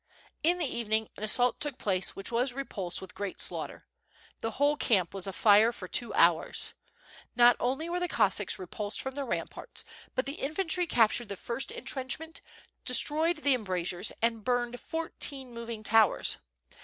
In the evening an assault took place which was re pulsed with great slaughter. The Whole camp was afire for two hours. Not only were the Cossacks repulsed from the ramparts, but the infantry captured the first entrenchment, destroyed the embrazures, and burned fourteen moving towers.